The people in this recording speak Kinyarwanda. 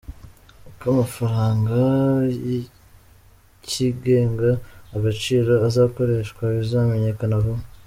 Uko amafaranga yikigega agaciro azakoreshwa bizamenyekana vuba